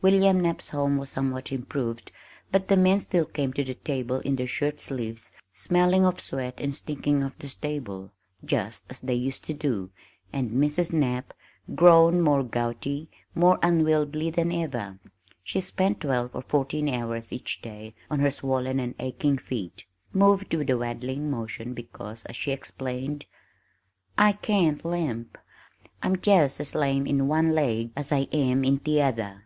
William Knapp's home was somewhat improved but the men still came to the table in their shirt sleeves smelling of sweat and stinking of the stable, just as they used to do, and Mrs. Knapp grown more gouty, more unwieldy than ever (she spent twelve or fourteen hours each day on her swollen and aching feet), moved with a waddling motion because, as she explained, "I can't limp I'm just as lame in one laig as I am in t'other.